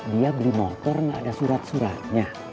dia beli motor nggak ada surat suratnya